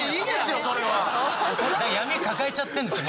闇抱えちゃってるんですよ